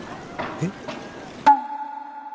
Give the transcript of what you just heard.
えっ？